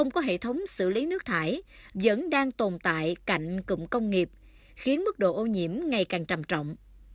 bột thải vẫn đang tồn tại cạnh cụm công nghiệp khiến mức độ ô nhiễm ngày càng trầm trọng